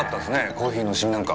コーヒーのシミなんか。